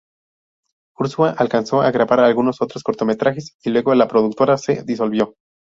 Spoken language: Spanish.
Urzúa alcanzó a grabar algunos otros cortometrajes, y luego la productora se disolvió.